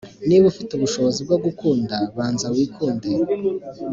“niba ufite ubushobozi bwo gukunda, banza wikunde.”